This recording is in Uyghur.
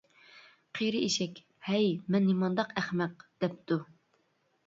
قېرى ئېشەك:-ھەي، مەن نېمانداق ئەخمەق، -دەپتۇ.